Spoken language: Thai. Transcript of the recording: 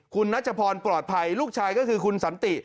คุณนัชพรปลอดภัยลูกชายก็คือคุณสันติ